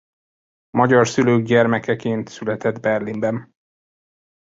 Magyar szülők gyermekeként született Berlinben.